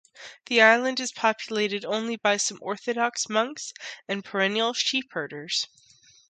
The island is populated only by some Orthodox monks and perennial sheep herders.